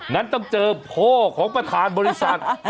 งั้นต้องเจอพ่อของประธานบริษัท